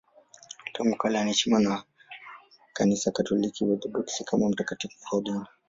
Tangu kale anaheshimiwa na Kanisa Katoliki na Waorthodoksi kama mtakatifu mfiadini.